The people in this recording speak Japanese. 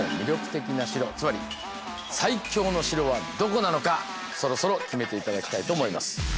つまり最強の城はどこなのかそろそろ決めて頂きたいと思います。